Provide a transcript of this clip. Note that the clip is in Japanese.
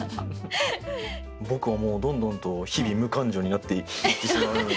僕はもうどんどんと日々無感情になっていってしまうので。